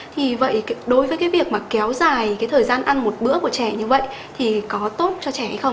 thì vậy đối với cái việc mà kéo dài cái thời gian ăn một bữa của trẻ như vậy thì có tốt cho trẻ hay không